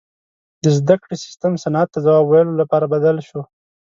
• د زدهکړې سیستم صنعت ته ځواب ویلو لپاره بدل شو.